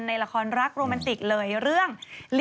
ในละครรักโรแมนติกเลยเรื่อง